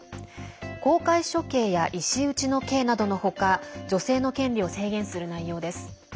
公開処刑や石打ちの刑などの他女性の権利を制限する内容です。